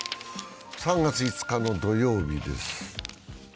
３月５日の土曜日です。